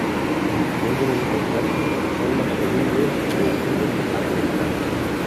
Pueden encontrarse en forma soluble o unidos a la membrana.